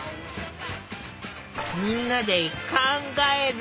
みんなで考える。